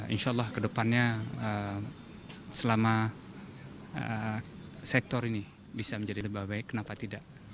insya allah kedepannya selama sektor ini bisa menjadi lebih baik kenapa tidak